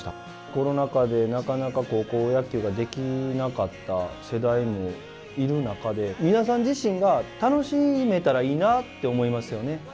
コロナ禍で、なかなか高校野球ができなかった世代もいる中で皆さん自身が楽しめたらいいなって思いますよね。